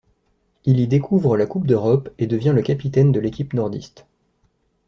Il y découvre la Coupe d'Europe et devient le capitaine de l'équipe nordiste.